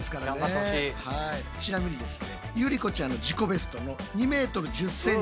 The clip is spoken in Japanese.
ちなみにですね